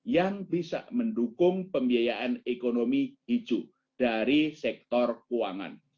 yang bisa mendukung pembiayaan ekonomi hijau dari sektor keuangan